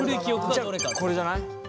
じゃこれじゃない？